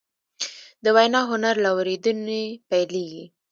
د وینا هنر له اورېدنې پیلېږي